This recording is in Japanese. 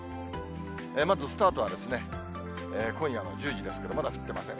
まずスタートは今夜の１０時ですけど、まだ降ってません。